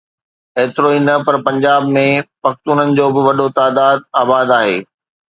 ايترو ئي نه پر پنجاب ۾ پختونن جو به وڏو تعداد آباد آهي.